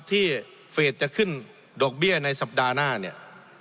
เฟสจะขึ้นดอกเบี้ยในสัปดาห์หน้าเนี่ย